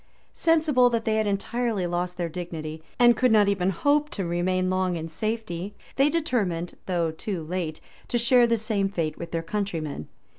Sensible that they had entirely lost their dignity, and could not even hope to remain long in safety, they determined, though too kite, to share the same fate with their countrymen.